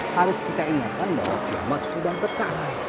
harus kita ingatkan bahwa kiamat sudah tekan